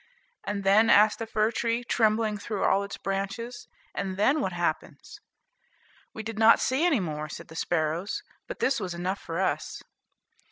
"And then," asked the fir tree, trembling through all its branches, "and then what happens?" "We did not see any more," said the sparrows; "but this was enough for us."